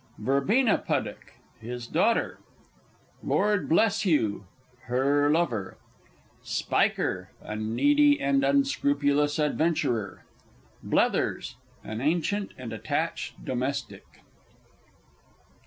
_ Verbena Puddock (his Daughter). Lord Bleshugh (her Lover). Spiker (a needy and unscrupulous Adventurer). _Blethers (an ancient and attached Domestic).